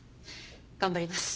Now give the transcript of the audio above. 頑張ります。